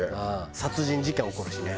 殺人事件起こるしね。